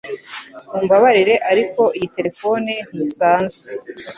Mumbabarire, ariko iyi terefone ntisanzwe.